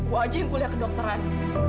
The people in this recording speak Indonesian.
wa aja yang kuliah ke dokteran